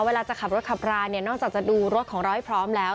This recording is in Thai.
เวลาจะขับรถขับราเนี่ยนอกจากจะดูรถของเราให้พร้อมแล้ว